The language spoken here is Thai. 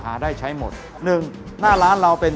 หาได้ใช้หมดหนึ่งหน้าร้านเราเป็น